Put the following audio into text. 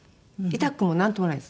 痛くもなんともないです。